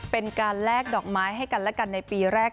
เป็นการแลกดอกไม้ให้กันและกันในปีแรก